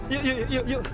yuk yuk yuk yuk